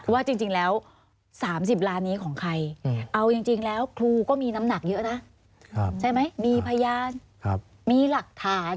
ว่าจริงแล้ว๓๐ล้านนี้ของใครเอาจริงแล้วครูก็มีน้ำหนักเยอะนะใช่ไหมมีพยานมีหลักฐาน